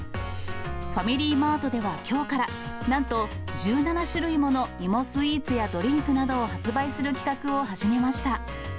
ファミリーマートではきょうから、なんと１７種類もの芋スイーツやドリンクなどを発売する企画を始めました。